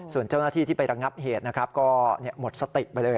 ส่วนเจ้าหน้าที่ที่ไประงับเหตุนะครับก็หมดสติไปเลย